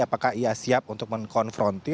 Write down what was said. apakah ia siap untuk mengkonfrontir